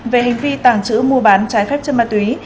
về hành vi tàng trữ mua bán trái phép chân ma túy